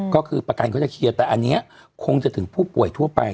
ก็คือประกันเขาจะเคลียร์แต่อันนี้คงจะถึงผู้ป่วยทั่วไป